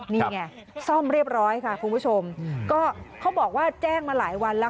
นี่ไงซ่อมเรียบร้อยค่ะคุณผู้ชมก็เขาบอกว่าแจ้งมาหลายวันแล้ว